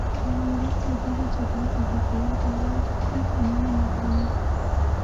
يو ملت که بې له جګړې تبا کول غواړٸ له تعليمه يې محروم .